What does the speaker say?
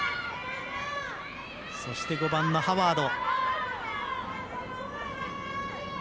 そして、５番のハワード。